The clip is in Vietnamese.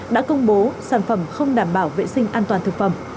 đã công bố sản phẩm không đảm bảo vệ sinh an toàn thực phẩm